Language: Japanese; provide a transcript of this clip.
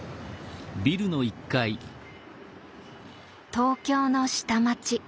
東京の下町。